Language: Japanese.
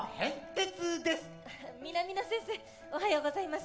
南野先生おはようございます。